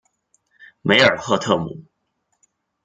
梅尔赫特姆。